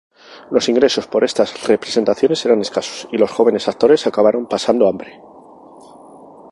Los ingresos por estas representaciones eran escasos, y los jóvenes actores acabaron pasando hambre.